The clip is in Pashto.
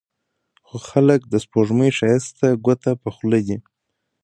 خو خلک د سپوږمۍ ښايست ته ګوته په خوله دي